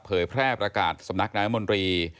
แพร่ประกาศสำนักนายมนตรี